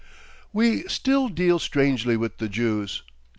We still deal strangely with the Jews.